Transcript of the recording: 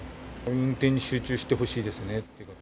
運転に集中してほしいですね。